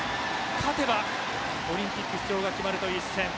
勝てばオリンピック出場が決まるという一戦。